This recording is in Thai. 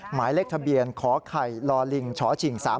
หมายเลขทะเบียนขอไข่ลอลิงชฉิง๓๔